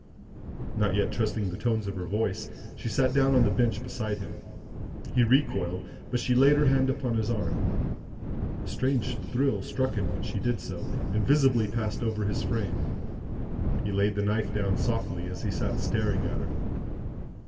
Not yet trusting the tones of her voice, she sat down on the bench beside him. He recoiled, but she laid her hand upon his arm. A strange thrill struck him when she did so, and visibly passed over his frame; he laid the knife down softly, as he sat staring at her.